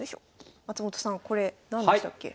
松本さんこれ何でしたっけ？